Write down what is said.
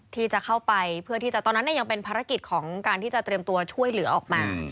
ที่จะเข้าไปเพื่อที่จะตอนนั้นยังเป็นภารกิจของการที่จะเตรียมตัวช่วยเหลือออกมา